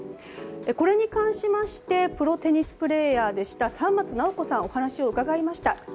これに関しましてプロテニスプレーヤーでした沢松奈生子さんにお話を伺いました。